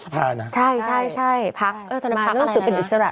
สะพาน่ะใช่ใช่ใช่พักเออตอนนั้นพักเอาสู่เป็นอิจฉราช